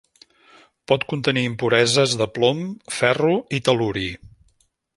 Pot contenir impureses de plom, ferro i tel·luri.